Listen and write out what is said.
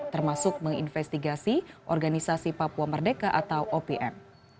termasuk menginvestigasi organisasi papua merdeka atau opm